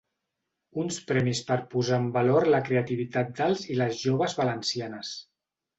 Uns premis per posar en valor la creativitat dels i les joves valencianes.